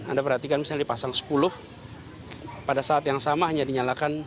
anda perhatikan misalnya dipasang sepuluh pada saat yang sama hanya dinyalakan tujuh